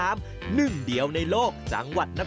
ซึ่งเป็นประเพณีที่มีหนึ่งเดียวในประเทศไทยและหนึ่งเดียวในโลก